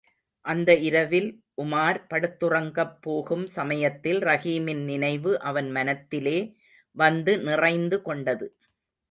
அந்த இரவில் உமார் படுத்துறங்கப் போகும் சமயத்தில் ரஹீமின் நினைவு அவன் மனத்திலே வந்து நிறைந்து கொண்டது.